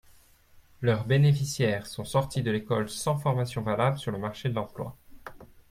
Leurs bénéficiaires sont sortis de l’école sans formation valable sur le marché de l’emploi.